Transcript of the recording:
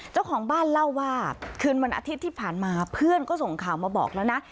เจ้าของบ้านเล่าว่าคืนวันอาทิตย์ที่ผ่านมาเพื่อนก็ส่งข่าวมาบอกแล้วนะ